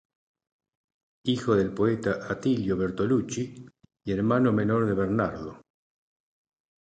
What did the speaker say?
Hijo del poeta Attilio Bertolucci y hermano menor de Bernardo.